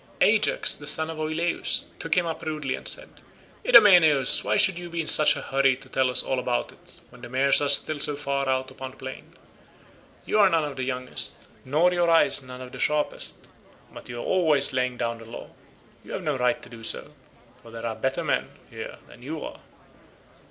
Ajax the son of Oileus took him up rudely and said, "Idomeneus, why should you be in such a hurry to tell us all about it, when the mares are still so far out upon the plain? You are none of the youngest, nor your eyes none of the sharpest, but you are always laying down the law. You have no right to do so, for there are better men here than you are.